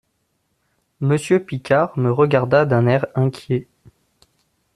«Monsieur Picard me regarda d'un air inquiet.